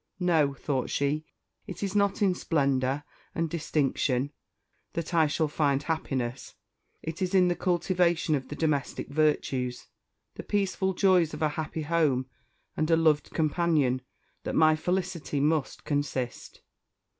"No," thought she, "it is not in splendour and distinction that I shall find happiness; it is in the cultivation of the domestic virtues the peaceful joys of a happy home and a loved companion, that my felicity must consist.